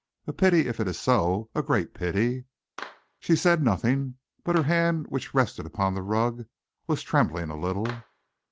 A pity if it is so a great pity." She said nothing, but her hand which rested upon the rug was trembling a little.